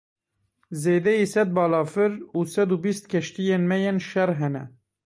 Zêdeyî sed balafir û sed û bîst keştiyên me yên şer hene.